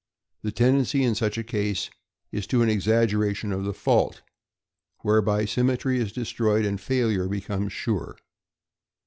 The tendency in such a case is to an exaggeration of the fault, whereby symmetry is destroyed and failure becomes sure.